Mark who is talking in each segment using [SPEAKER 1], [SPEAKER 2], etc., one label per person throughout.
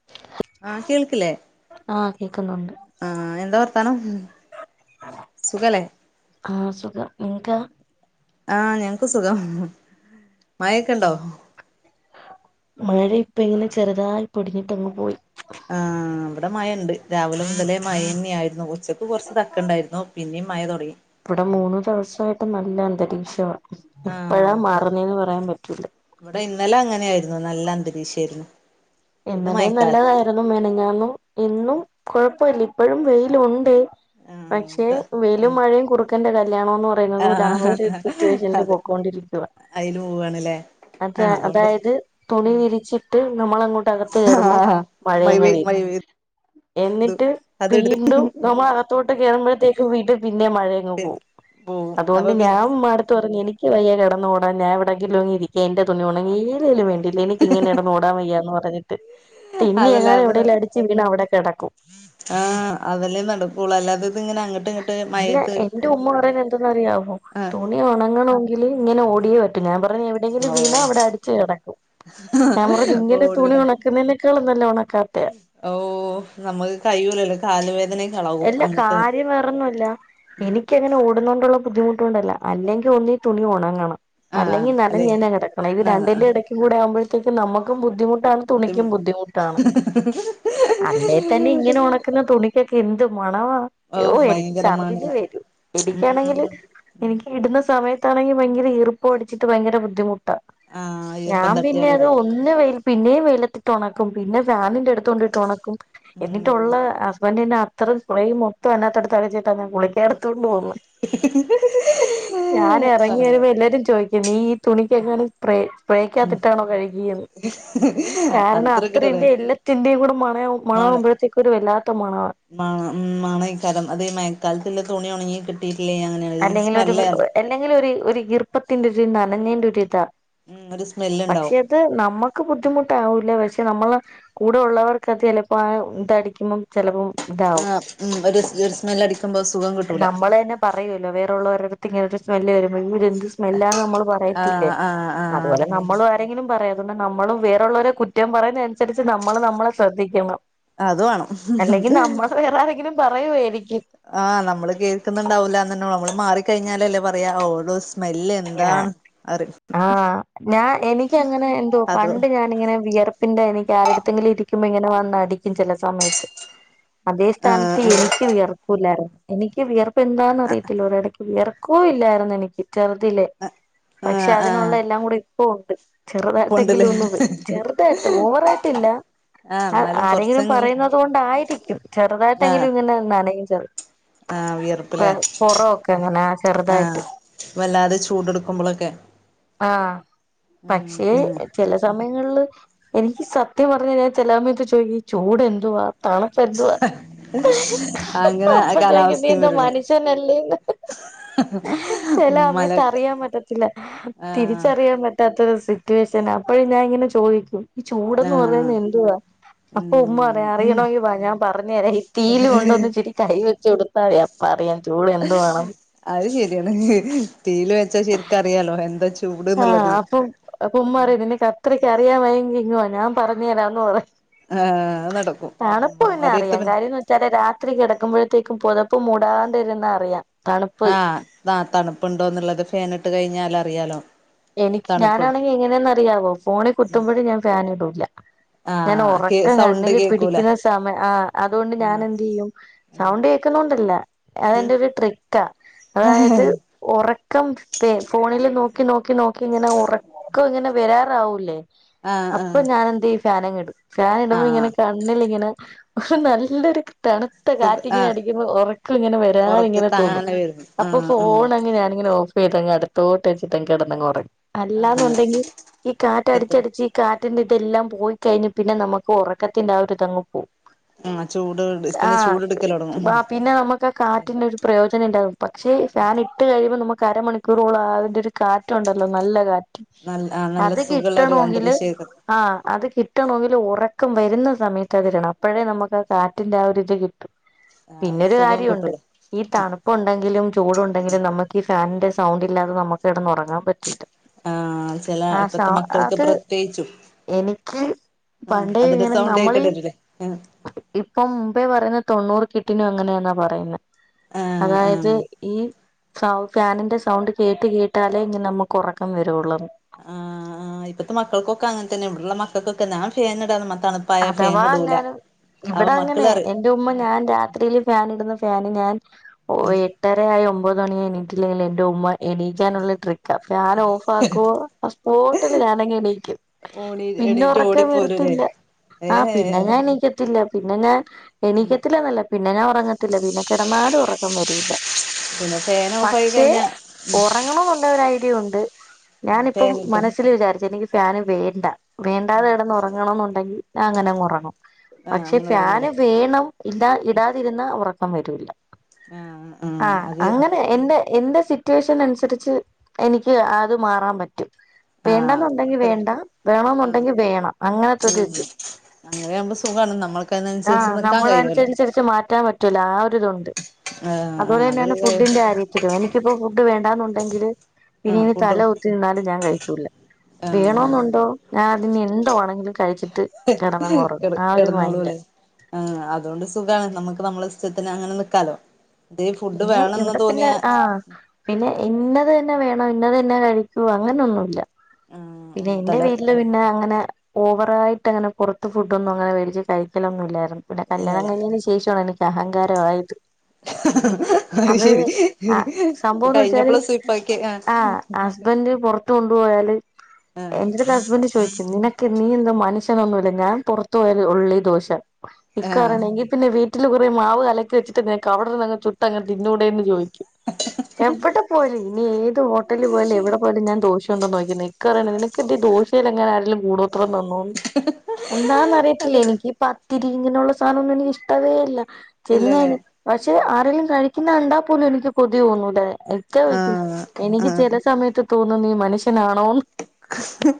[SPEAKER 1] [inaudible]
[SPEAKER 2] ആഹ് കേൾക്കിലേ
[SPEAKER 1] ആഹ് കേക്കുന്നുണ്ട്
[SPEAKER 2] ആഹ് എന്താ വർത്താനം സുഖല്ലേ
[SPEAKER 1] ആഹ് സുഖം ഇൻകാ
[SPEAKER 2] ആഹ് ഞങ്ങക്ക് സുഖം മയക്കെ ഉണ്ടോ
[SPEAKER 1] മഴ ഇപ്പ ഇങ്ങനെ ചെറുതായി പൊടിഞ്ഞിട്ടങ്ങ് പോയി
[SPEAKER 2] ആഹ് നമ്മുടെ മഴുണ്ട് രാവിലെ മുതലേ മഴ തന്നെയ ആയിരുന്നു ഉച്ചക്ക് കുറച്ച് തക്ക ഉണ്ടായിരുന്നു പിന്നേും മഴ തുടങ്ങി
[SPEAKER 1] ഇവിടെ മൂന്നു ദിവസമായിട്ട് നല്ല അന്തരീക്ഷവാ എപ്പഴാ
[SPEAKER 2] ആഹ് അത്
[SPEAKER 1] മറുന്നേന്ന് പറയാൻ പറ്റൂല
[SPEAKER 2] ഇവിടെ ഇന്നലെ അങ്ങനെ ആയിരുന്നു നല്ല അന്തരീക്ഷയിരുന്നു
[SPEAKER 1] എന്നലെ നല്ലതായിരുന്നു മെനഞാന്നും ഇന്നും കുഴപ്പില്ല ഇപ്പോഴും വെയിലുണ്ട്
[SPEAKER 2] ആഹ്
[SPEAKER 1] പക്ഷെ
[SPEAKER 2] ഇവിടെ
[SPEAKER 1] വെയിലും
[SPEAKER 2] ഉം
[SPEAKER 1] മഴയും കുറുക്കന്റെ കല്യാണോന്ന് പറ പറയുന്നത് പോലെ ആ
[SPEAKER 2] ആഹ്
[SPEAKER 1] ഒരു സിറ്റുവേഷനിൽ
[SPEAKER 2] അതെ
[SPEAKER 1] പോക്കൊണ്ടിരിക്കുവാ
[SPEAKER 2] അയില് പോവാണ്ല്ലേ
[SPEAKER 1] അത്
[SPEAKER 2] ആഹ് അതുകൊണ്ട്
[SPEAKER 1] അതായത് തുണി
[SPEAKER 2] ഉം
[SPEAKER 1] വിരിച്ചിട്ട് നമ്മളങ്ങോട്ട് അകത്തേരുമ്പോ
[SPEAKER 2] ആഹ് മഴ
[SPEAKER 1] മഴയാങ്ങു
[SPEAKER 2] പെയ് മഴ പെയ്
[SPEAKER 1] പേയുംഎന്നിട്ട് വീടും
[SPEAKER 2] അതെടുത്ത്
[SPEAKER 1] നോക നമ്മ അകത്തോട്ട് കേയുമ്പോഴത്തേക് വീടും പിന്നെ പിന്നെ മഴയ പോവും
[SPEAKER 2] പോവും
[SPEAKER 1] അതുകൊണ്ട്
[SPEAKER 2] അപ്പൊ
[SPEAKER 1] ഞാൻ
[SPEAKER 2] പിന്നെ
[SPEAKER 1] മ്മാ ടുത്ത് പറഞ്ഞു എനിക്ക് വയ്യ കിടന്നഓടാൻ ഞാൻഎവിടെകിലും ഒന്നിരിക്ക എന്റെ തണി ഉണങ്ങെലും വേടില്ല എനികിങ്ങനെടന്ന് ഓടാൻവയ്യാന്ന് പറഞ്ഞട്ട് തേന്നി
[SPEAKER 2] അതല്ല
[SPEAKER 1] എങ്ങാനും
[SPEAKER 2] അതല്ല
[SPEAKER 1] എവിടെലും അടിച്ച് വീണാ അവിടെ കിടക്കും
[SPEAKER 2] ആഹ് അതല്ലേ നടക്കൂളൂ അല്ലാതെ ഇത് ഇങ്ങനെ അങ്ങട്ട് ഇങ്ങ്
[SPEAKER 1] അല്ല എന്റെ ഉമ്മ പറയൻ എന്തെന്ന് അറിയാവോ
[SPEAKER 2] ആഹ്
[SPEAKER 1] തുണി ഉണങ്ങണമെങ്കില് ഇങ്ങനെ ഓടിയേ പറ്റും ഞാൻ പറഞ്ഞ എവിടെങ്കിലും വീണാ അവിടെ അടിച്ച്ടക്കും ഞാൻ പറഞ്ഞ
[SPEAKER 2] ഓ
[SPEAKER 1] ഇങ്ങനെ തുണി
[SPEAKER 2] ഓടണ്
[SPEAKER 1] ഉണ നിനക്കളും നല്ല ഉണക്കട്ടും
[SPEAKER 2] ഓ നമ്മുക്ക് കഴൂലല്ലോ കാലുവേദന
[SPEAKER 1] എല്ലാ കാര്യം വേറെന്നുംല്ല
[SPEAKER 2] ഉം
[SPEAKER 1] എനി എനിങ്ങനെ ഓടതണ്ടുള്ള ബുദ്ധിമുട്ട കൊണ്ടല്ല അല്ലെങ്കിൽ ഒന്നിൽ തുണി ഓണങ്ങണം
[SPEAKER 2] ആഹ്
[SPEAKER 1] അല്ലെങ്കിൽ
[SPEAKER 2] അല്ലെ
[SPEAKER 1] നനഞ്ഞ് തന്നെ കിടക്കണം ഇത്
[SPEAKER 2] ആഹ്
[SPEAKER 1] രണ്ടിന്റെ
[SPEAKER 2] ആഹ്
[SPEAKER 1] ഇടക്കുടെ ആവുമ്പഴത്തേക്ക് നമുക്കും ബുദ്ധിമുട്ട് ത
[SPEAKER 2] ബുദ്ധിമു
[SPEAKER 1] തുണിക്കും ബുദ്ധിമുട്ടാണ് അല്ലേ തന്നെ ഇങ്ങനെ ഉണക്കുന്ന തുണിക് എന്ത് മണവാ ഓ എനിക്ക് ഛർദികാൻ വരൂ
[SPEAKER 2] ഉം
[SPEAKER 1] എനിക്കാണെങ്കില്ഈ എനിക്ക് ഇടുന്ന സമയത്താണെങ്കിൽ ഭയങ്കര ഈർപ്പ് അടിച്ചിട്ട് ഭയങ്കര ബുദ്ധിമുട്ടാണ്
[SPEAKER 2] ആഹ്
[SPEAKER 1] അ
[SPEAKER 2] ഈർപ്പം
[SPEAKER 1] ഞാൻ പിന്നെ അത്
[SPEAKER 2] തട്ടിയാല്
[SPEAKER 1] ഒന്ന് വെയിൽ പിന്നെയും വെലത്തിട്ടൊണക്കും പിന്നെ ഫാനിന്റെ അടുത്തൊണ്ടിട്ടൊണക്കും
[SPEAKER 2] ഉം
[SPEAKER 1] എന്നിട്ടുള്ള ഹസ്ബൻറിന്റെ അത്രയും സ്പ്രേയും മൊത്തംഅതിനകത്തടിചിട്ട ഞാൻ കുളിക്കാറ് തൊണ്ടു പോന്ന്. ഞാൻ എറങ്ങി വരുമ്പോ എല്ലാരും ചോയ്ക് നീ ഈ തുണിക്കങ്ങാനും സ്പ്രേക്കാത്തിട്ടാണോ കഴുകിയന്ന് കാരണം
[SPEAKER 2] അത്രക്കിട്ട
[SPEAKER 1] അത്രന്റെയും എല്ലത്തിന്റെയും കൂടെ മണമണവുമ്പോഴത്തേക്കും ഒരു വല്ലാത്ത മണ
[SPEAKER 2] മാണ ഉം മാണയ്കാരം മഴക്കാലത്ത്ല്ല തുണി ഒണങ്ങി കിട്ടിട്ടില്ലേ അങ്ങനെ
[SPEAKER 1] അല്ലെങ്കിലൊരു എല്ലങ്കിലൊര് ഒര് ഈർപ്പത്തിന്റെ ഒര് നനഞ്ഞേന്റൊരിതാ
[SPEAKER 2] ഉം ഒരു സ്മെല്ല്ണ്ടാവും
[SPEAKER 1] അത് നമ്മുക്ക് ബുദ്ധിമുട്ടാവൂല്ല പക്ഷേ നമ്മള് കൂടെ ഉള്ളവർക്കത് ചെലപ്പോ ആ തടിക്കുമ്പം ചെലപ്പം
[SPEAKER 2] ആഹ് ഉം ഒരു ഒരു സ്മെല്ലടിക്കുമ്പോ സുഖം കിട്ടൂല
[SPEAKER 1] അറിയുല്ലോ വേറൊള്ളോരെ ഇങ്ങനെ ഒരു സ്മെല്ല് വരുമ്പോ അയ്യോ ഇതെന്ത് സ്മെല്ലാന്നമ്മള് പറയത്തില്ലേ.
[SPEAKER 2] ആഹ് ആഹ് ആഹ്
[SPEAKER 1] അതുപോലെ നമ്മളു എന്തെങ്കിലും പറയരുത്. നമ്മള് വേറെള്ളവരെ കുറ്റം പറയുന്ന അനുസരിച്ച് നമ്മള് നമ്മളെ ശ്രദ്ധിക്കണം
[SPEAKER 2] അത് വേണം
[SPEAKER 1] അല്ലെങ്കി നമ്മള് വേറെ ആരെങ്കിലും പറയുവായിരിക്കും
[SPEAKER 2] ആഹ് നമ്മള് കേൾക്കുന്നുണ്ടാവൂല ന്നന്നൊള്ളു. നമ്മള് മാറിക്കഴിഞ്ഞാലല്ലേ പറയാ ഓളൊ രു സ്മെല്ല്
[SPEAKER 1] ആ
[SPEAKER 2] എന്താണ് അറിം
[SPEAKER 1] ആഹ് ഞാ എനിക്കങ്ങനെ എന്തോ
[SPEAKER 2] അത്
[SPEAKER 1] പണ്ട് ഞാൻ ഇങ്ങനെ വിയർപ്പിന്റെ എനിക്ക് ആരടടുത്തെങ്കിലും ഇരികുംമ്പോ ഇങ്ങനെ വന്നടിക്കും ചെലസമയത്ത് അതേ
[SPEAKER 2] ആഹ്
[SPEAKER 1] സ്ഥാനത്ത്
[SPEAKER 2] ആഹ്
[SPEAKER 1] എനിക്ക് വിയർപില്ലാരുന്നു. എനിക്ക് വിയർപ്പ് എന്താന്ന് അറിയത്തില്ല ഒരിടക് വിയർക്കു ഇല്ലായിരുന്നു എനിക്ക് ചെറുതിലേ. പക്ഷെ
[SPEAKER 2] ആഹ്
[SPEAKER 1] അതിനുള്ള
[SPEAKER 2] ആഹ്
[SPEAKER 1] എല്ലാം കൂടി ഇപ്പ ഉണ്ട്
[SPEAKER 2] ഇപ്പൊണ്ട്ല്ലേ
[SPEAKER 1] ചെറുതായിട്ടെങ്കിലും ഒന്നുംവിയ് ചെറുതായിട്ട് ഓവറായിട്ടില്ല
[SPEAKER 2] ആഹ്
[SPEAKER 1] ആ
[SPEAKER 2] എന്നാലും
[SPEAKER 1] ആരെങ്കിലും
[SPEAKER 2] കൊറച്ചെങ്കിലും
[SPEAKER 1] പറയുന്നത് കൊണ്ടായിരിക്കും.
[SPEAKER 2] ആഹ്
[SPEAKER 1] ചെറുതായിട്ടെങ്കിലും ഇങ്ങനെ നനയും ചെറു
[SPEAKER 2] ആഹ് വിയർപ്പ്ലേ
[SPEAKER 1] പൊറൊക്കെങ്ങനെ ചെറുതായിട്ട്
[SPEAKER 2] ആഹ് വല്ലാതെ ചൂട് ട്ക്കുമ്പളൊക്കെ
[SPEAKER 1] ആഹ് പക്ഷേ-
[SPEAKER 2] ഉം
[SPEAKER 1] ചെല സമയങ്ങളില് എനിക്ക് സത്യം പറഞ്ഞാ ഞാൻ ചെല സമയത്ത് ചോയ്ക്കും ഈ ചൂടെന്തുവാ തണപ്പെന്തുവാ
[SPEAKER 2] അങ്ങനെ
[SPEAKER 1] അപ്പ ചോയിക്കും
[SPEAKER 2] കാലാവസ്ഥയും
[SPEAKER 1] നീയെന്താ
[SPEAKER 2] വരൂലേ
[SPEAKER 1] മനുഷ്യനല്ലേന്ന് ചില അമയത്ത്
[SPEAKER 2] മലക്കെ
[SPEAKER 1] അറിയാൻ പറ്റത്തില്ല
[SPEAKER 2] ആഹ്
[SPEAKER 1] തിരിച്ചറി ചെയ്യൻ പറ്റാത്തൊരു സിറ്റുവേഷനാ അപ്പോഴും ഞാൻ ഇങ്ങനെ ചോദിക്കും ഈ ചൂടന്ന്
[SPEAKER 2] ആഹ്
[SPEAKER 1] പറയുന്നത് എന്തുവാ
[SPEAKER 2] ഉം
[SPEAKER 1] അപ്പൊ ഉമ്മ പറയാ
[SPEAKER 2] ഉം
[SPEAKER 1] അറിയണമെങ്കി വാ ഞാൻ പറഞ്ഞേരാ ഈ തീൽ കൊണ്ട ഒന്നിച്ചിരി കൈ വെച്ച് കൊടുത്തായാ പറിയാം ചൂടെന്തുവാണെന്ന്
[SPEAKER 2] അത് ശരിയാണ് തീല് വെച്ചാ ശരിക്കറിയാലോ എന്താച്ച്
[SPEAKER 1] ആഹ് അപ്പൊ ഉമ്മറിം നിനക്ക് അത്രയ്ക്ക് അറിയാ വായങ്കി ഇങ്ങ് വാ ഞാൻ പറഞ്ഞേരാ ന്ന് പറിം
[SPEAKER 2] ആഹ് അത് നടക്കും
[SPEAKER 1] തണുപ്പ് പിന്നെ
[SPEAKER 2] ഉമ്മമാരെടുത്ത്
[SPEAKER 1] അറിയാം.
[SPEAKER 2] പി
[SPEAKER 1] കാര്യംന്ന് വെച് ച്ചാല് രാത്രി കിടക്കുമ്പോഴത്തേക്കും പുതപ്പ് മൂടാണ്ടിരുന്ന അറിയാം തണുപ്പ്
[SPEAKER 2] ആഹ് ആ തണുപ്പുണ്ടോന്നുള്ളത് ഫേനിട്ട് കഴിഞ്ഞാലറിയാലോ
[SPEAKER 1] എനിക്ക് ഞാനാണെങ്കി എങ്ങനാന്നഅറിയാവോ. ഫോണി
[SPEAKER 2] ഉം
[SPEAKER 1] കുത്തുമ്പഴും ഞാൻ ഫാൻ ഇടൂല
[SPEAKER 2] ആഹ് കേ
[SPEAKER 1] ഞാനൊറക്കം
[SPEAKER 2] സൗണ്ട്
[SPEAKER 1] കണ്ണില്
[SPEAKER 2] കേക്കൂല
[SPEAKER 1] പിടിക്കുന്ന സമയം, ആഹ് അതുകൊണ്ട് ഞാൻ
[SPEAKER 2] ആഹ്
[SPEAKER 1] എന്ത് ചെയ്യും സൗണ്ടേ. ക്കുന്നോണ്ടല്ല.
[SPEAKER 2] ഉം
[SPEAKER 1] അതെന്റെ ഒരു ട്രിക്കാ അതായത്
[SPEAKER 2] ആഹ്
[SPEAKER 1] ഒറക്കം ഫോണില് നോക്കി നോക്കി നോക്കി ഇങ്ങനെ ഉറക്കങ്ങനെ വരാറാവൂല്ലേ അപ്പൊ
[SPEAKER 2] ആഹ്
[SPEAKER 1] ഞാനെന്തിയ്യും ഈ ഫാനങ് ഇടും ഫാന് ഇടുമ്പോ
[SPEAKER 2] ആഹ്
[SPEAKER 1] ഇങ്ങനെ കാ ഇന്നലിങ്ങനെ നല്ലൊരു തണു- പുറത്തു
[SPEAKER 2] സുഖ
[SPEAKER 1] കാറ്റ് ഇങ്ങനെ
[SPEAKER 2] ആഹ്
[SPEAKER 1] അടിക്കുമ്പോ ഉറക്കങ്ങനെ
[SPEAKER 2] ഉറക്ക്
[SPEAKER 1] വരാന്ങ്ങനെ തോന്നും
[SPEAKER 2] താനെ വരും
[SPEAKER 1] അപ്പൊ
[SPEAKER 2] ആഹ് ആഹ്
[SPEAKER 1] ഫോൺ അങ്ങ് ഞാനിങ്ങനെ ഓഫ- ഇ ഇതങ്‌ അടുത്തോട്ട് വച്ചിട്ടങ്ങ് കെടന്നങ് ഒറങ്ങും
[SPEAKER 2] ആഹ്
[SPEAKER 1] അല്ലാന്നൊണ്ടെങ്കി ഈ കാറ്റ്
[SPEAKER 2] കത്തി
[SPEAKER 1] അടിച്ചടിച്ച് കാറ്റിന്റെ ഇതെല്ലാം പോയി കഴിഞ്ഞ് പിന്നെ നമുക്ക് ഒറക്കത്തിന്റെ ആഹ് ഒരു ഇതങ്ങ് പോവും
[SPEAKER 2] ആഹ് ചൂട് പിന്നെ ചൂടെടുക്കല് തുടങ്ങും
[SPEAKER 1] ആഹ് പിന്നെ നമുക്ക് ആ കാറ്റിന്റെ ഒരു പ്രയോജന ഉണ്ടാകും പക്ഷേ ഫാൻ ഇട്ട് കഴിയുമ്പോൾ നമുക്ക് അരമണിക്കൂറോളം അതിൻ്റെ ഒരു കാറ്റുണ്ടല്ലോ നല്ല കാറ്റ്
[SPEAKER 2] നല്ല ആഹ് നല്ല
[SPEAKER 1] അത്
[SPEAKER 2] സുഖമുള്ള ഒരു
[SPEAKER 1] കിട്ടണോ ങ്കില്
[SPEAKER 2] അന്തരീക്ഷമായിരിക്കും
[SPEAKER 1] ആഹ് അത് കിട്ടണോങ്കിൽ ഒറക്കം വരുന്ന സമയത്ത് അതിടണം അപ്പഴേ നമുക്ക് ആഹ് കാറ്റിന്റെ ആഹ് ഒരിത് കി
[SPEAKER 2] ആഹ് ഒരു
[SPEAKER 1] പിന്നൊരു
[SPEAKER 2] സുഖം
[SPEAKER 1] കാര്യൊണ്ട്
[SPEAKER 2] കിട്ടുള്ളൂ
[SPEAKER 1] ഈ തണുപ്പ് ഉണ്ടെങ്കിലും ചൂടുണ്ടെങ്കിലും നമുക്ക് ഈ ഫാനിന്റെ സൗണ്ട് ഇല്ലാതെ നമുക്ക് കി ടന്ന് ഉ റങ്ങാൻ പറ്റൂ-
[SPEAKER 2] ആഹ് ചില
[SPEAKER 1] ആഹ് സ
[SPEAKER 2] ഇപ്പത്തെ മക്കൾക്ക്
[SPEAKER 1] അത്
[SPEAKER 2] പ്രത്യേകിച്ചും
[SPEAKER 1] എനിക്ക്
[SPEAKER 2] ആഹ്
[SPEAKER 1] പണ്ടേ
[SPEAKER 2] അതിന്റെ
[SPEAKER 1] ഇങ്ങനെ
[SPEAKER 2] സൗണ്ട്
[SPEAKER 1] നമ്മളീ
[SPEAKER 2] കേക്കേണ്ടി വരൂല്ലേ ആഹ്
[SPEAKER 1] ഇപ്പൊ മുമ്പേ പറയുന്ന തൊണ്ണൂറ് കിറ്റി നു അങ്ങനെയാെന്നാ പറയുന്നേ
[SPEAKER 2] ആഹ്
[SPEAKER 1] അതായത്
[SPEAKER 2] ആഹ്
[SPEAKER 1] ഈ സൗണ്ട് ഫാനിന്റെ സൗണ്ട് കേട്ട് കേ ട്ടാലേ ഇഞ് നമ്മുക്ക് ഒറക്കം വരുള്ളൂ ന്ന്
[SPEAKER 2] ആഹ് ഇപ്പത്തെ മക്കക്കൊക്കെ അങ്ങൻതന്നെ ഇവടെള്ള മക്കക്കൊക്കെ ഞാൻ ഫേൻ ഇടാതെ മതണു
[SPEAKER 1] അഥവാ ങ്ങാനും ഇവിടെ അങ്ങനെ
[SPEAKER 2] മക്കള്
[SPEAKER 1] എന്റെ
[SPEAKER 2] പറയും
[SPEAKER 1] ഉമ്മ ഞാൻ രാത്രിയില് ഫാന ഇടുന്ന ഫാന് ഞാൻ ഓ ഏഹ് എട്ടരയായി ഒമ്പത് മണിയായി എണീട്ടില്ലെങ്കിൽ എന്റെ ഉമ്മ എണീക്കാനുള്ള ട്രി ഞാൻ ഓഫ് ആക്കോ ആഹ് സ്പോട്ടില് ഞാനങ് എണീക്കും
[SPEAKER 2] ഓടി
[SPEAKER 1] പിന്നെ
[SPEAKER 2] എണീറ്റ്
[SPEAKER 1] ഒറക്കം
[SPEAKER 2] ഓടിപ്പോരൂലേ
[SPEAKER 1] വരത്തില്ല ആഹ് പിന്നെ ഞാൻ
[SPEAKER 2] ഏഹ്
[SPEAKER 1] എണീക്കത്തില്ല പിന്നെ ഞാൻ എണീക്കത്തില്ല നല്ല പിന്നെ ഞാൻ ഉറങ്ങത്തില്ല പിന്നെ കിടന്നാലും ഉറക്കം വരൂല്ല
[SPEAKER 2] പിന്നെ ഫാൻ ഓഫ് ആയി
[SPEAKER 1] പക്ഷെ
[SPEAKER 2] കഴിഞ്ഞാ
[SPEAKER 1] ഉറങ്ങണംന്നുള്ള ഒരു ഐഡിയ ഒണ്ട് ഞാനിപ്പം
[SPEAKER 2] തേങ്ങട്ട്
[SPEAKER 1] മനസ്സിൽ വിചാരിച്ച എനിക്ക് ഫാന് വേണ്ട വേണ്ടാതെ
[SPEAKER 2] ഉം
[SPEAKER 1] കി ടന്ന്ഉ റങ്ങണംന്നുണ്ടെങ്കിൽ അങ്ങനെങ് ഉറങ്ങും
[SPEAKER 2] ആഹ്
[SPEAKER 1] പക്ഷെ
[SPEAKER 2] അങ്ങനെ
[SPEAKER 1] ഫാന്
[SPEAKER 2] ഉറങ്ങൂലേ
[SPEAKER 1] വേണം ഇല്ല ഇടാതിരുന്ന ഉറക്കം വരൂല്ല
[SPEAKER 2] ആഹ്
[SPEAKER 1] ആ
[SPEAKER 2] ആഹ് അത്
[SPEAKER 1] അങ്ങനെ
[SPEAKER 2] അതന്നെ
[SPEAKER 1] എന്റെ എന്താ- സിറ്റുവേഷൻ അനുസരിച്ച് എനിക്ക് അത് മാറാൻ പറ്റും വേണ്ടന്നുണ്ടെങ്കിൽ
[SPEAKER 2] ആഹ്
[SPEAKER 1] വേണ്ട വേണംന്നുണ്ടെങ്കിൽ വേണം അങ്ങനത്തെ ഒരു ഇത്
[SPEAKER 2] അങ്ങനെ ആവുമ്പോൾ സുഖമാണ് നമ്മൾക്ക് അതിനനുസരിച്ച്
[SPEAKER 1] ആഹ്
[SPEAKER 2] നിക്കാൻ
[SPEAKER 1] നമ്മുടെ
[SPEAKER 2] കഴിയുവല്ലോ
[SPEAKER 1] അനുസരിച്ച്അരിച്ച് മാറ്റാൻ പറ്റൂല ആഹ് ഒരു ഇതുണ്ട്
[SPEAKER 2] ആഹ്
[SPEAKER 1] അതുപോലെ
[SPEAKER 2] ആഹ് അതൊരു
[SPEAKER 1] തന്നെയാണ് ഫുഡിന്റെ കാര്യം എനിക്കിപ്പോ ഫുഡ് വേണ്ടാന്നുണ്ടെങ്കില് ഇനി
[SPEAKER 2] ആഹ്
[SPEAKER 1] ഇന്ന്
[SPEAKER 2] ഫുഡും
[SPEAKER 1] തല കു ന്നാലും ഞാൻ കഴിക്കൂല്ല വേണം
[SPEAKER 2] ആഹ്
[SPEAKER 1] എന്നുണ്ടോ ഞാൻ അതിനി എന്തോ ആണെങ്കിലും കഴിച്ചിട്ട് കിടന്നങ്ങുറങ്ങും
[SPEAKER 2] കിട
[SPEAKER 1] ആ ഒരു
[SPEAKER 2] കിടന്നോളും
[SPEAKER 1] മൈൻഡ്
[SPEAKER 2] അല്ലേ ആഹ് അതൊണ്ട് സുഖമാണ് നമ്മക്ക് നമ്മളെ ഇഷ്ടത്തിന് അങ്ങനെ നിക്കാലോ അതെ ഫുഡ്
[SPEAKER 1] പിന്നെ
[SPEAKER 2] വേണംന്ന്
[SPEAKER 1] ഇവിടെ പിന്നെ
[SPEAKER 2] തോന്നിയാ
[SPEAKER 1] ആഹ് പിന്നെ ഇന്നത് തന്നെ വേണം ഇന്നതന്നെ കഴിക്കൂ അങ്ങനൊന്നുല്ല
[SPEAKER 2] ആഹ്
[SPEAKER 1] പിന്നെ
[SPEAKER 2] ആഹ്
[SPEAKER 1] എന്റെ
[SPEAKER 2] അതല്ല
[SPEAKER 1] വീട്ടില് പിന്നെ അങ്ങനെ ഓവറായിട്ട് അങ്ങനെ പുറത്ത് ഫുഡൊന്നും അങ്ങനെ മേടിച്ച് കഴിക്കലൊന്നും ഇല്ലായിരുന്നു പിന്നെ കല്യാണം
[SPEAKER 2] ഇല്ലല്ലേ
[SPEAKER 1] കഴിഞ്ഞതിന് ശേ ശേഷമാണ് എനിക്ക് അഹങ്കാരമായത്
[SPEAKER 2] അയ്
[SPEAKER 1] അത്
[SPEAKER 2] ശരി
[SPEAKER 1] ആഹ്
[SPEAKER 2] ഇത്
[SPEAKER 1] സംഭവംന്ന്
[SPEAKER 2] കഴിഞ്ഞപ്പള സുയ്പാക്ക്യെ ആഹ്
[SPEAKER 1] ഹസ്ബന്ഡ് പുറത്ത് കൊണ്ടുപോയാല്
[SPEAKER 2] ആ
[SPEAKER 1] എന്റെ അടുത്ത് ഹസ്ബൻഡ് ചോദിക്കും നിന നീ എന്ത മനുഷ്യനൊന്നുമല്ലേ ഞാൻ പുറത്തു പോയാ ഒൺലി ദോശ
[SPEAKER 2] ആ
[SPEAKER 1] ഇക്ക പറയണെ എങ്കി പിന്നെ വീ വീട്ടില് കുറേ മാവ് കലക്കി വച്ചിട്ട് നിങ്ങക്ക് അവിടുന്ന് അങ്ങ് ചുട്ട് അങ്ങ് തിന്നൂടേന്ന് ചോദിക്കും എവിടെ പോലും ഇനി ഏത് ഹോട്ടലി പോയാലും എവിടെ പോയാലും ഞാൻ ദോശ ണ്ടോനോയിക്കുന്നെ ഇക്ക പറയണെ നിനക്കെന്താ ഈ ദോശയിലെങ്ങാനും ആരേലും കൂടോത്രം തന്നൂന്ന് എന്താന്നറിയത്തില്ല എനിക്ക് ഇപ്പ തിരി ഇങ്ങനെയുള്ള സാനമൊന്നും എനിക്ക് ഇഷ്ടവേ അല്ല
[SPEAKER 2] ഇല്ലല്ലേ
[SPEAKER 1] ചെന്നേന് പക്ഷേ ആ രേലും കഴിക്കുന്ന കണ്ടാ പോലും എനിക്ക് കൊതി തോന്നൂല്ല ഇക്ക
[SPEAKER 2] ആ
[SPEAKER 1] ചോയിക്കും എനിക്ക്
[SPEAKER 2] ആ
[SPEAKER 1] ചെല സമയത്ത് തോന്നും നീ മനുഷ്യനാ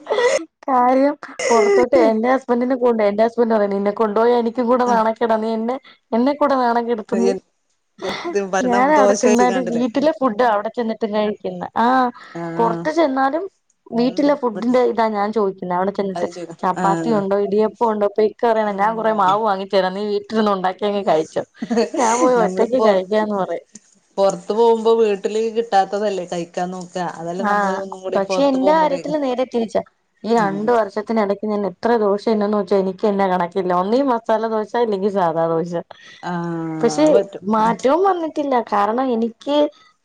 [SPEAKER 1] [unintelligible] കാര്യം പൊറത്തോട്ട് എന്റെ ഹസ്ബന്റിന്റെ കൂടെ എന്റെ ഹസ് ഹസ്ബന്റ് പറയുന്നെ നിന്നെ കൊണ്ടുപോയാ എനിക്കു കൂടെ
[SPEAKER 2] ആ
[SPEAKER 1] നാണക്കേടാ നീ എന്നെ എന്നെ കൂടെ നാണം കെടു
[SPEAKER 2] [unintelligible] ഭരണം
[SPEAKER 1] ഞാൻ അവിടെ
[SPEAKER 2] ദോശ
[SPEAKER 1] ചെന്നാലും
[SPEAKER 2] കഴിച്ച്ങ്ങാണ്ടല്ലേ
[SPEAKER 1] വീട്ടിലെ ഫുഡാ അവിടെ ചെന്നിട്ടും കഴിക്കുന്നെ ആഹ്
[SPEAKER 2] ആ
[SPEAKER 1] പൊറത്ത് ചെന്നാലും
[SPEAKER 2] ഉം
[SPEAKER 1] വീട്ടിലെ
[SPEAKER 2] അത്
[SPEAKER 1] ഫുഡിന്റെ ഇതാ ഞാൻ ചോയിക്കുന്നെ അവിടെ ചെന്നിട്ട്
[SPEAKER 2] ശരി ആ
[SPEAKER 1] ചപ്പാത്തി ഉണ്ടോ ഇടിയപ്പം ഉണ്ടോ അപ്പൊ ഇക്ക പറയണെ ഞാൻ കുറെ
[SPEAKER 2] ഉം
[SPEAKER 1] മാവ് വാങ്ങി തരാം നീ വീട്ടില് ഇരുന്ന് ഉണ്ടാക്കി നീ അങ്ങ് കഴിച്ചോ ഞാൻ പോയി ഒ
[SPEAKER 2] നമ്മള് പൊറത്ത് പൊറത്ത് പോവുമ്പോ വീട്ടില് കിട്ടാത്തതല്ലേ കഴിക്കാൻ നോക്കാ അതാ
[SPEAKER 1] ആഹ് പക്ഷെ എന്റെ കാര്യത്തില് നേരെ തിരിച്ചാ ഈ
[SPEAKER 2] ഉം
[SPEAKER 1] രണ്ട് വർഷ ത്തിനെടയ്ക്ക് ഞാൻ എത്ര ദോശ തിന്നെന്ന് ചോദിച്ചാ എനിക്ക് തന്നെ കണക്കില്ല ഒന്നെങ്കി മസാല ദോശ ഇല്ലെങ്കിൽ സാദാ ദോശ
[SPEAKER 2] ആ
[SPEAKER 1] പക്ഷെ
[SPEAKER 2] അത് പറ്റും
[SPEAKER 1] മാറ്റവും വന്നി ട്ടില്ല കാരണം എനിക്ക്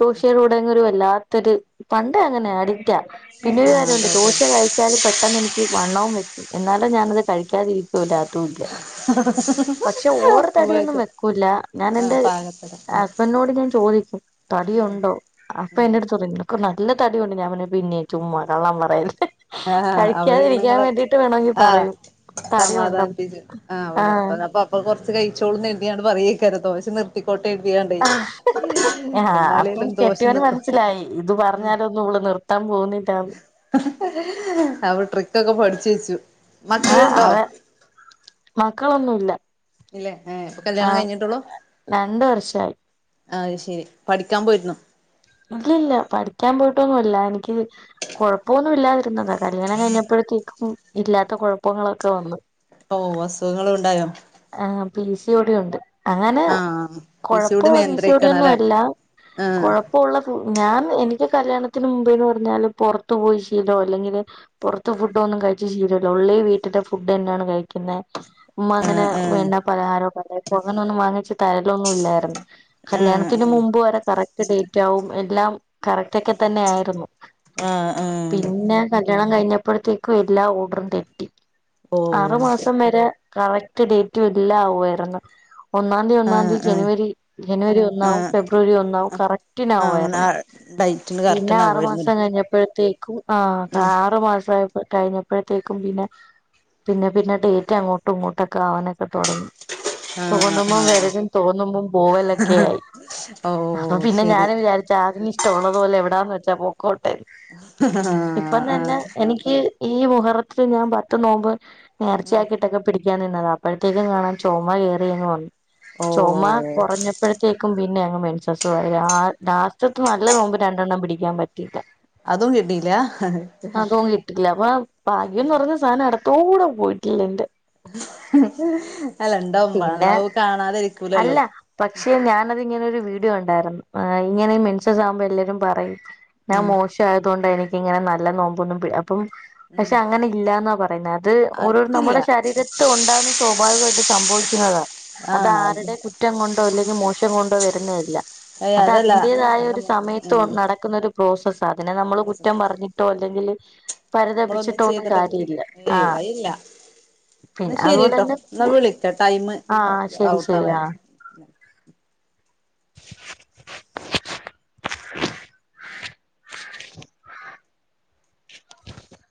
[SPEAKER 1] ദോശയോടങ്ങ് ഒരു വല്ലാത്തൊരു പണ്ടെ അങ്ങനെയാ അഡിക്റ്റാ പിന്നൊരു കാര്യമുണ്ട് ദോശ കഴിച്ചാല് പെട്ടെന്ന് എനിക്ക് വണ്ണവും വെക്കും എന്നാലും ഞാനത് കഴിക്കാതിരി ക്കൂല തൂക്കിയാ പക്ഷെ ഓവറ് തടിയൊന്നും
[SPEAKER 2] പോയിട്ട്
[SPEAKER 1] വെക്കൂല്ല
[SPEAKER 2] ആ
[SPEAKER 1] ഞാനെന്റെ
[SPEAKER 2] പാകത്തരം
[SPEAKER 1] ഹസ്ബന്റിനോട് ഇങ്ങനെ ചോദിക്കും
[SPEAKER 2] ഉം
[SPEAKER 1] തടിയുണ്ടോ അപ്പ
[SPEAKER 2] ഉം
[SPEAKER 1] എന്റെ
[SPEAKER 2] ഉം
[SPEAKER 1] അടുത്ത് [unintelligible] നല്ല തടിയുണ്ട് ഞാൻ പറയും പിന്നെ ചുമ്മാ കള്ളം പറയല്ലേ
[SPEAKER 2] ഹഹഹ അവര് ഇന്ന്
[SPEAKER 1] കഴിക്കാതിരിക്കാൻ
[SPEAKER 2] ഇങ്ങളെ
[SPEAKER 1] വേണ്ടിട്ട് വേണമെങ്കി
[SPEAKER 2] ആഹ്
[SPEAKER 1] പറയും തടിയുണ്ടോ
[SPEAKER 2] സമാധാനിപ്പിച്ചും ആഹ് അതെ അത് അപ്പൊ അപ്പോൾ കൊറച്ച് കഴിച്ചോളൂന്ന് കരുതിങ്ങാണ്ട് പറയയ്ക്കാരം ദോശ നിർ ത്തിക്കോട്ടെ കരുതികാണ്ടെ
[SPEAKER 1] ആഹ് ആഹ് അപ്പം
[SPEAKER 2] എന്നാലേലും ദോശ നിക്കും
[SPEAKER 1] അവള് നിർത്താൻ പോന്നില്ലാന്ന്
[SPEAKER 2] അവള് ട്രിക് ഒക്കെ പഠിച്ചു വെച്ചു
[SPEAKER 1] ആഹ്
[SPEAKER 2] മക്കളുണ്ടോ
[SPEAKER 1] അതെ മക്കളൊന്നും ഇല്ല
[SPEAKER 2] ഇല്ലെ ഏഹ് ഇപ്പ കല്യാണം കഴിഞ്ഞിട്ടൊള്ളൂ
[SPEAKER 1] രണ്ട് വർഷായി
[SPEAKER 2] അത് ശരി പഠിക്കാൻ പോയിരുന്നോ
[SPEAKER 1] ഇല്ല ഇല്ല പഠിക്കാൻ പോയിട്ടൊന്നുംല്ല എനിക്ക് കൊഴപ്പൊ മൊന്നുമില്ലാതിരുന്ന താ കല്യാണം കഴിഞ്ഞപ്പഴത്തേക്കും ഇല്ലാത്ത കൊഴപ്പങ്ങളൊക്കെ വന്ന്
[SPEAKER 2] ഓഹ് അസുഖങ്ങള് ഉണ്ടായോ
[SPEAKER 1] ആഹ് പി സി ഓ ഡി ഉണ്ട് അങ്ങനെ
[SPEAKER 2] ആഹ് പി സി യോടി
[SPEAKER 1] കൊഴപ്പൊളള പി സി ഓ ഡി
[SPEAKER 2] നിയന്ത്രിക്കണം
[SPEAKER 1] യൊന്നും
[SPEAKER 2] അല്ലേ
[SPEAKER 1] അല്ല
[SPEAKER 2] ആഹ്
[SPEAKER 1] കൊഴ ഇപ്പൊ ഒള്ള ഫൂ ഞാൻ എനിക്ക് കല്യാണത്തിന് മുമ്പേന്ന് പറഞ്ഞാല് പൊറത്തു പോയി ശീലോ അല്ലെങ്കില് പൊറത്തെ ഫുഡ്ഡു ഒന്നും കഴിച്ച് ശീലം ഇല്ല, ഓൺലി വീട്ടിത്തെ ഫുഡ്ഡന്നാണ് കഴിക്കുന്നെ, ഉമ്മ അങ്ങനെ
[SPEAKER 2] ആഹ്
[SPEAKER 1] എന്നാ പലഹാരോ [unintelligible] അങ്ങനൊന്നും വാങ്ങിച്ച് തരലൊന്നും ഇല്ലായിരുന്നു
[SPEAKER 2] ആഹ് ആഹ്
[SPEAKER 1] കല്യാണത്തിന് മുമ്പ് വരെ കറക് ഡേറ്റാവും എല്ലാം കറക്റ്റൊക്കെ തന്നെ ആയിരുന്നു,
[SPEAKER 2] ആഹ് ആഹ് ആഹ്
[SPEAKER 1] പിന്നെ കല്യാണം കഴിഞ്ഞപ്പഴത്തേക്കും എല്ലാ ഓഡറും തെറ്റി ആറു
[SPEAKER 2] ഓഹ്
[SPEAKER 1] മാസം വരെ കറക് റ്റ് ഡേറ്റു എല്ലാം ആവു ആയിരുന്നു ഒന്നാംതി ഒന്നാംതി
[SPEAKER 2] ആഹ് ആഹ്
[SPEAKER 1] ജനുവരി ജനുവരി ഒന്നാവും
[SPEAKER 2] ആഹ്
[SPEAKER 1] ഫെബ്രുവരി ഒന്നാവും
[SPEAKER 2] ആഹ്
[SPEAKER 1] കറക്റ്റിനാവ്വു
[SPEAKER 2] അങ്ങനെ
[SPEAKER 1] ആയിരുന്നു.
[SPEAKER 2] ഡയറ്റിന്
[SPEAKER 1] പിന്നെ
[SPEAKER 2] കറക്റ്റന്നെ
[SPEAKER 1] ആറു മാസം
[SPEAKER 2] ആവുമായിരുന്നുല്ലേ
[SPEAKER 1] കഴിഞ്ഞപ്പഴത്തേക്കും ആ
[SPEAKER 2] ഉം
[SPEAKER 1] ആറുമാസായപ്പ കഴിഞ്ഞ പ്പഴത്തേക്കും പിന്നെ പിന്നെ പിന്നെ ഡേറ്റ് അങ്ങോട്ടും ഇങ്ങോട്ടൊക്കെ ആവാനൊക്കെ തൊടങ്ങി.
[SPEAKER 2] ആഹ്
[SPEAKER 1] തോന്നുമ്പം വരലും തോന്നുമ്പം പോവലൊക്കെ
[SPEAKER 2] ആഹ്
[SPEAKER 1] ആയി. അപ്പൊ
[SPEAKER 2] ഓഹ്
[SPEAKER 1] പിന്നെ
[SPEAKER 2] ശരി
[SPEAKER 1] ഞാനും വിചാരിചാകുന്ന്. ഇഷ്ടള്ളത് പോലെ എവിടാന്ന് വെച്ചാ പോക്കോട്ടെ, ഇപ്പ
[SPEAKER 2] ആഹ്
[SPEAKER 1] തന്നെ
[SPEAKER 2] ആഹ്
[SPEAKER 1] എനിക്ക് ഈ മുഹറത്തിൽ ഞാൻ പത്തു നോമ്പ്
[SPEAKER 2] ഉം
[SPEAKER 1] നേർച്ചയാക്കിട്ടൊക്കെ പിടിക്കാന് ആ അപ്പഴത്തേക്കിനാണെ ചൊമ കേറിയങ്ങു വന്നു, ചൊമ
[SPEAKER 2] ഓഹ്
[SPEAKER 1] കൊറഞ്ഞ അപ്പഴത്തേക്കും പിന്നെ അങ്ങ് മെൻസസുവായി ആ ലാസ്റ്റത്തേ നല്ല നോമ്പ് രണ്ടെണ്ണം പിടിക്കാൻ പറ്റിയില്ല.
[SPEAKER 2] അതും കിട്ടിയില്ല
[SPEAKER 1] ആ തോങ്ങിയിട്ടില്ല അപ്പൊ ഭാഗ്യംന്ന് പറഞ്ഞ ഞാൻ അടുത്തു കൂടെ പോയിട്ടില്ലെന്റെ
[SPEAKER 2] അല്ല ണ്ടാവുമ്പോ
[SPEAKER 1] പിന്നെ
[SPEAKER 2] അല്ലാഹു കാണാതിരിക്കൂലല്ലോ.
[SPEAKER 1] അല്ല പക്ഷെ ഞാനത് ഇങ്ങനൊരു വീഡിയോ കണ്ടായിരുന്നു ഇങ്ങനെ മെൻസസാവുമ്പോ എല്ലാരും പറയും ഞാൻ
[SPEAKER 2] ഉം
[SPEAKER 1] മോശവായതൊണ്ടാ എനിക്കിങ്ങനെ നല്ല നോമ്പൊന്നും പി അപ്പം പക്ഷെ
[SPEAKER 2] ഉം
[SPEAKER 1] അങ്ങനെ ഇല്ലാന്നാ പറയുന്നത് അത് ഓരോരുത്ത
[SPEAKER 2] അതില്ല
[SPEAKER 1] നമ്മുടെ ശരീരത്ത് ഉണ്ടാവുന്ന സ്വാഭാവികമായിട്ട് സംഭവിക്കുന്നതാണ് അത് ആരുടെ കുറ്റ് റ്റം കൊണ്ടോ അല്ലെങ്കിൽ മോശം കൊണ്ടോ വരുന്നതല്ല
[SPEAKER 2] ഏയ്
[SPEAKER 1] അത്
[SPEAKER 2] അതല്ല
[SPEAKER 1] അതിന്റെതായ
[SPEAKER 2] അത
[SPEAKER 1] ഒരു സമയത്ത
[SPEAKER 2] ഉം
[SPEAKER 1] നടക്കുന്നൊരു പ്രോസസ് അതിനെ നമ്മള് കുറ്റം പറഞ്ഞിട്ടോ അല്ലെങ്കിൽ
[SPEAKER 2] നമ്മളൊന്നും
[SPEAKER 1] പരിതപിച്ചിട്ടോന്നും
[SPEAKER 2] ചെയ്തിട്ട്
[SPEAKER 1] കാര്യല്ല.
[SPEAKER 2] ഏയ് അയില്ല.
[SPEAKER 1] പിന്നെ അതുപോലെന്നെ
[SPEAKER 2] എന്നാ വിളിക്ക, ടൈമ്
[SPEAKER 1] ശരി
[SPEAKER 2] ഔട്ടായി.
[SPEAKER 1] ആ